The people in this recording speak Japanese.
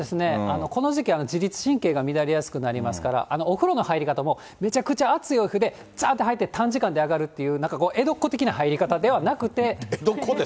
この時期、自律神経が乱れやすくなりますから、お風呂の入り方も、めちゃくちゃ熱いお湯でじゃーっと入って、短時間で上がるっていう、なんか江戸っ子的な入り方ではなくて。